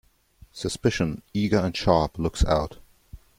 Suspicion, eager and sharp, looks out.